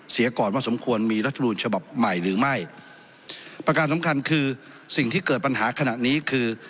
เสียก่อนว่าสมควรมีรัฐมนูญฉบับใหม่หรือไม่ประการสำคัญคือสิ่งที่เกิดปัญหาขณะนี้คือ